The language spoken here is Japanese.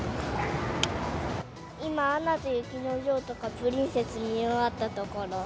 今、アナと雪の女王とかプリンセス見終わったところ。